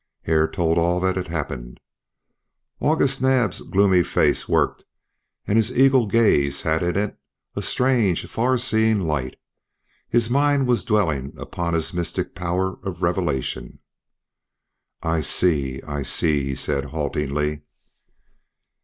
Hare told all that had happened. August Naab's gloomy face worked, and his eagle gaze had in it a strange far seeing light; his mind was dwelling upon his mystic power of revelation. "I see I see," he said haltingly.